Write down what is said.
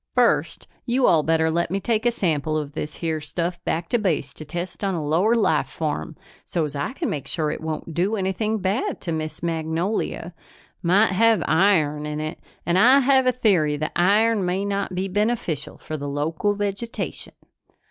"First you all better let me take a sample of this here stuff back to Base to test on a lower life form, so's I can make sure it won't do anything bad to Miss Magnolia. Might have iron in it and I have a theory that iron may not be beneficial for the local vegetation."